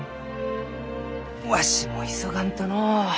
わしも急がんとのう。